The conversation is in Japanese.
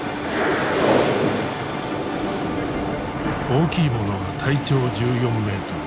大きいものは体長１４メートル。